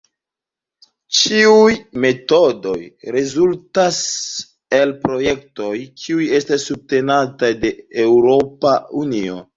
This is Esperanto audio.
Ĉiuj metodoj rezultas el projektoj kiuj estas subtenataj de Eŭropa Unio.